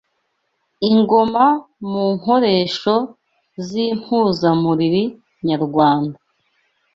Ingoma mu nkoresho z’impuzamuriri nyarwanda